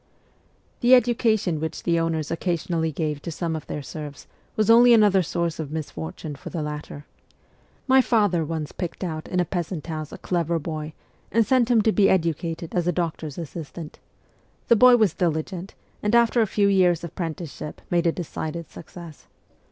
The education which the owners occasionally gave to some of their serfs was only another source of misfor tune for the latter. My father once picked out in a peasant house a clever boy, and sent him to be educated as a doctor's assistant. The boy was diligent, and after a few years' apprenticeship made a decided success.